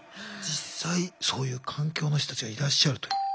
実際そういう環境の人たちがいらっしゃるという。